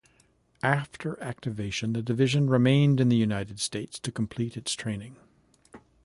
After activation the division remained in the United States to complete its training.